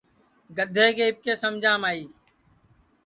گدھے کے اِٻکے سمجام آئی